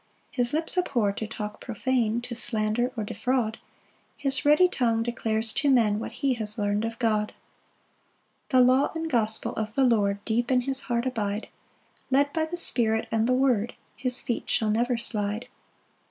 4 His lips abhor to talk profane, To slander or defraud; His ready tongue declares to men What he has learn'd of God. 5 The law and gospel of the Lord Deep in his heart abide; Led by the Spirit and the word, His feet shall never slide.